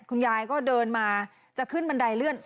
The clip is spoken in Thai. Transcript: คุณยายก็เดินมาจะขึ้นบันไดเลื่อน